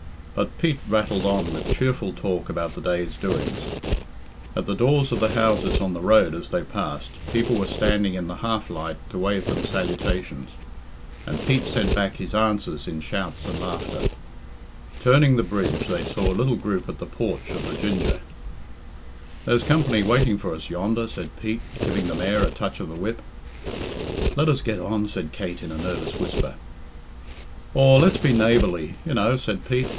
But Pete rattled on with cheerful talk about the day's doings. At the doors of the houses on the road as they passed, people were standing in the half light to wave them salutations, and Pete sent back his answers in shouts and laughter. Turning the bridge they saw a little group at the porch of the "Ginger." "There's company waiting for us yonder," said Pete, giving the mare a touch of the whip. "Let us get on," said Kate in a nervous whisper. "Aw, let's be neighbourly, you know," said Pete.